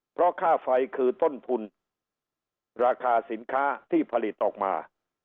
เพราะค่าไฟคือต้นทุนราคาสินค้าที่ผลิตออกมา